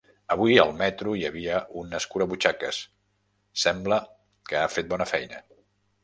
Avui, al metro, hi havia un escurabutxaques: sembla que ha fet bona feina.